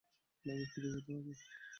ল্যাবে ফিরে যেতে হবে।